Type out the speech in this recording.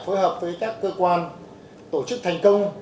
phối hợp với các cơ quan tổ chức thành công